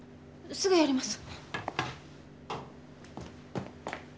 すぐやります。